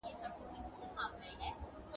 هغه هڅه وکړه، خو بريالی نه شو.